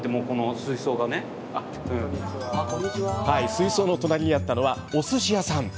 水槽の隣にあったのはおすし屋さん。